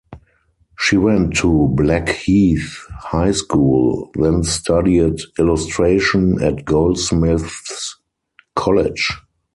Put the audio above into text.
She went to Blackheath High School, then studied illustration at Goldsmiths College.